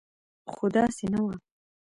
خو داسې نه و.